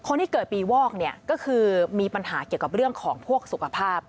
คนที่เกิดปีวอกเนี่ยก็คือมีปัญหาเกี่ยวกับเรื่องของพวกสุขภาพ